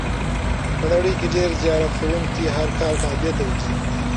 په نړۍ کې ډېر زیارت کوونکي هر کال کعبې ته ورځي.